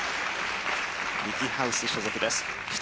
ミキハウス所属です四。